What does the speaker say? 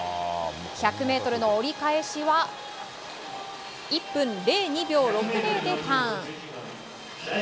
１００ｍの折り返しは１分０２秒６０でターン。